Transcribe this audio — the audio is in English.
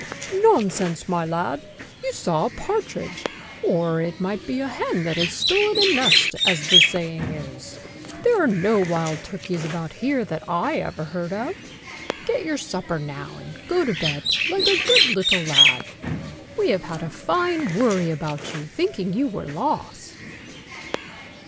"Nonsense, my lad! you saw a partridge; or it might be a hen that had stolen a nest, as the saying is. There are no wild turkeys about here that ever I heard of. Get your supper now, and go to bed, like a good little lad. We have had a fine worry about you, thinking you were lost."